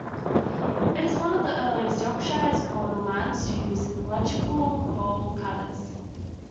It was one of the earliest Yorkshire coal mines to use electrical coal cutters.